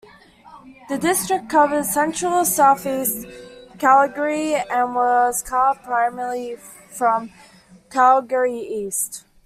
The district covers central south east Calgary and was carved primarily from Calgary-East.